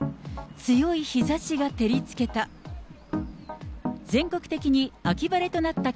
強い日ざしが照りつけた。